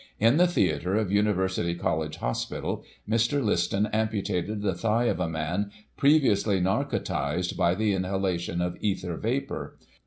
In the theatre of University College Hospital, Mr. Liston amputated the thigh of a man, previously narcotized by the inhalation of ether vapour.